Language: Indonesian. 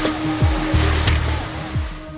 kerajaan larang tuka